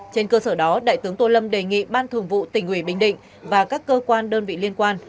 trên cơ sở đó đại tướng tô lâm đề nghị ban thường vụ tỉnh ủy bình định và các cơ quan đơn vị liên quan